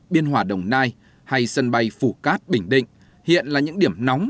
biên hòa đồng nai hay sân bay phủ cát bình định hiện là những điểm nóng